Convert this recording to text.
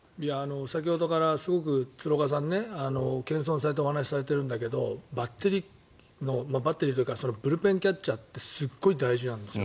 先ほどからすごく鶴岡さん謙遜されてお話しされているんだけどブルペンキャッチャーってすごい大事なんですよ。